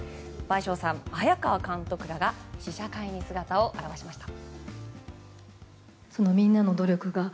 倍賞さん、早川監督らが試写会に姿を現しました。